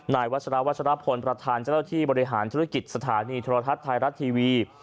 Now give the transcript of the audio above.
วัชราวัชรพลประธานเจ้าที่บริหารธุรกิจสถานีโทรทัศน์ไทยรัฐทีวี